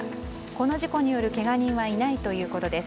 この事故によるけが人はいないということです。